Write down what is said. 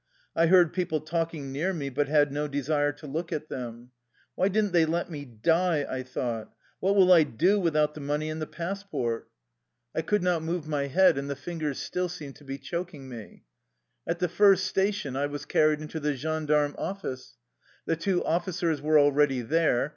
I heard people talking near me, but had no desire to look at them. "Why didn't they let me die?" I thought. "What will I do without the money and the passport? '' 112 THE LIFE STORY OF A RUSSIAN EXILE I could not move my head, and the fingers still seemed to be choking me. At the first station I was carried into the gendarme office. The two officers were already there.